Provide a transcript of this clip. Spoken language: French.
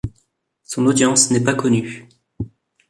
Son audience n'est pas connue.